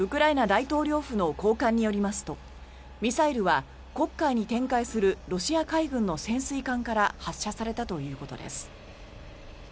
大統領府の高官によりますとミサイルは黒海に展開するロシア海軍の潜水艦から発射されたということです。